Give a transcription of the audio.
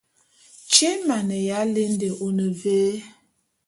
Tyé émaneya ya lende, one vé ?